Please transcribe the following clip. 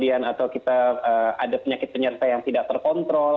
atau kita ada penyakit penyerta yang tidak terkontrol